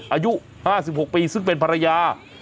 อายุ๕๖ปีซึ่งเป็นภรรยา